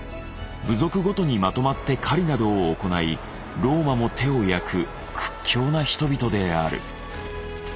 部族ごとにまとまって狩りなどを行いローマも手を焼く屈強な人々である。